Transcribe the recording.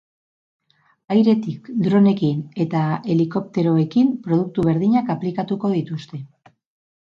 Airetik dronekin eta helikopteroekin produktu berdinak aplikatuko dituzte.